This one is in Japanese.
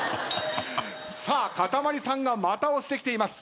さあかたまりさんがまた押してきています。